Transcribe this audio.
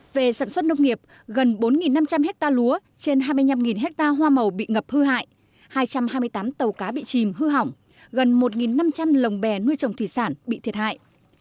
về sản xuất nông nghiệp gần bốn năm trăm linh hectare lúa trên hai mươi năm ha hoa màu bị ngập hư hại hai trăm hai mươi tám tàu cá bị chìm hư hỏng gần một năm trăm linh lồng bè nuôi trồng thủy sản bị thiệt hại